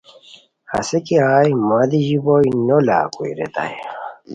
ہسے کی ہائے مہ دی ژیبوئے نو لاکوئے ریتائے